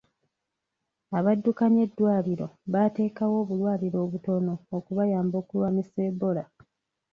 Abaddukanya eddwaliro baateekawo obulwaliro obutono okubayamba okulwanisa Ebola.